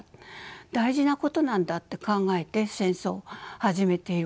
大事なことなんだって考えて戦争を始めていることが書いてあります。